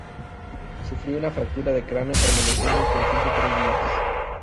Sufrió una fractura de cráneo, permaneciendo inconsciente tres días.